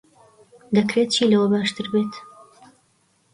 دەکرێت چی لەوە باشتر بێت؟